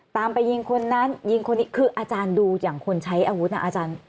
ตามไปยิงคนนั้นยิงคนนี้คืออาจารย์ดูอย่างคนใช้อาวุธนะอาจารย์